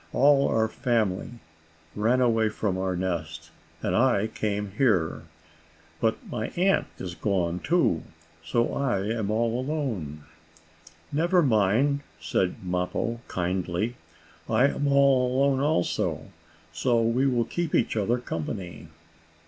"All our family ran away from our nest, and I came here. But my aunt is gone too, so I am all alone." "Never mind," said Mappo, kindly, "I am all alone also, so we will keep each other company."